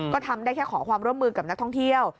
ก็ทำได้แค่ขอความร่วมมือกับนักท่องเที่ยว